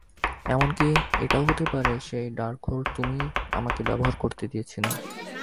এমনকি এটাও হতে পারে, সেই ডার্কহোল্ড তুমিই আমাকে ব্যবহার করতে দিয়েছিলে।